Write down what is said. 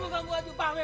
bicara gua gua aja